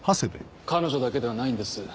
彼女だけではないんです。